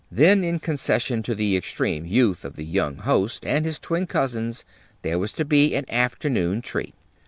Then, in concession to the extreme youth of the young host and his twin cousins, there was to be an afternoon tree.